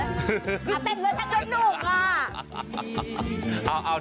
อ้าวเต้นเวลาเท่านุ่มมาก